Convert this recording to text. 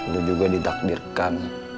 lu juga ditakdirkan